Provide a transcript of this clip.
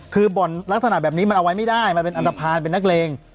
คื้นรักษณะแบบนี้มันเอาไว้ไม่ได้มาดูคือแกนอัมทภาพนักเลง